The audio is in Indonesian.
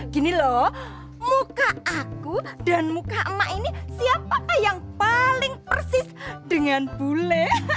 gini loh muka aku dan muka emak ini siapakah yang paling persis dengan bule